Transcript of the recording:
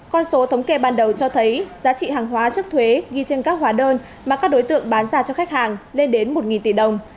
con số thống kê ban đầu cho thấy giá trị hàng hóa trước thuế ghi trên các hóa đơn mà các đối tượng bán ra cho khách hàng lên đến một tỷ đồng